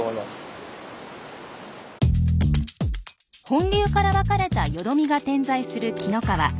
本流から分かれたよどみが点在する紀の川。